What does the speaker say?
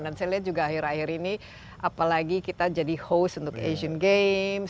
dan saya lihat juga akhir akhir ini apalagi kita jadi host untuk asian games